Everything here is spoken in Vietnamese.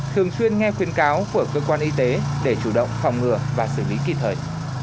thường xuyên nghe khuyên cáo của cơ quan y tế để chủ động phòng ngừa và xử lý kịp thời